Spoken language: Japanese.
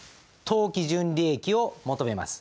当期純利益を求めます。